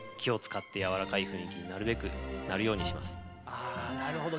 あなるほど。